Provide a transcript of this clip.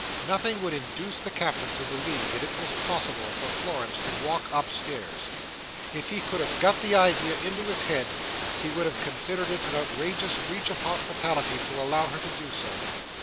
Nothing would induce the Captain to believe that it was possible for Florence to walk upstairs. If he could have got the idea into his head, he would have considered it an outrageous breach of hospitality to allow her to do so.